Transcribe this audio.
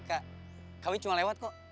kak kami cuma lewat kok